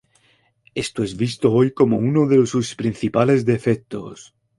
Esto es visto hoy como uno de sus principales defectos.